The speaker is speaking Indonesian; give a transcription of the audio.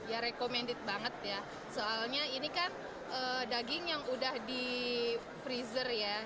ya recommended banget ya soalnya ini kan daging yang udah di freezer ya